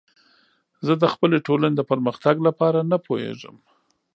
زه د خپلې ټولنې د پرمختګ لپاره نه پوهیږم.